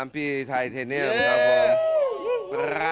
ปีไทเทเนียมครับผม